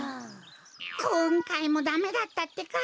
こんかいもダメだったってか！